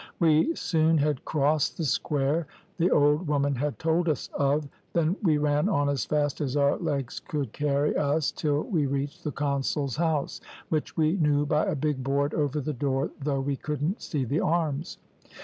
We soon had crossed the square the old woman had told us of, then we ran on as fast as our legs could carry us till we reached the consul's house, which we knew by a big board over the door, though we couldn't see the arms.